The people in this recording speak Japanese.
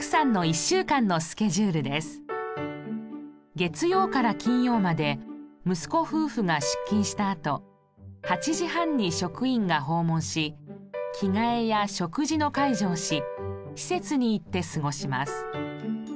月曜から金曜まで息子夫婦が出勤したあと８時半に職員が訪問し着替えや食事の介助をし施設に行って過ごします。